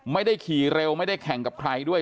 ไม่ได้ขี่เร็วไม่ได้แข่งกับใครด้วย